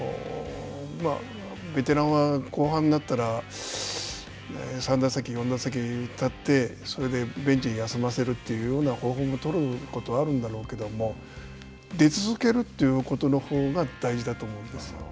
ベテランは後半になったら３打席、４打席立ってそれでベンチで休ませるというような方法も取ることはあるんだろうけども出続けるということのほうが大事だと思うんですよ。